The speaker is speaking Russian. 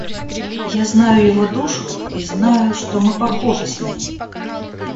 Я знаю его душу и знаю, что мы похожи с ним.